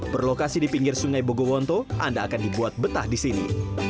berlokasi di pinggir sungai bogowonto anda akan dibuat betah di sini